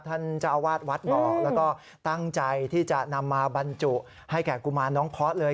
ท่านเจ้าอาวาสวัดบอกแล้วก็ตั้งใจที่จะนำมาบรรจุให้แก่กุมารน้องเพาะเลย